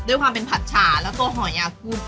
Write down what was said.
ด้วยความเป็นผัดฉาแล้วก็หอยยากูด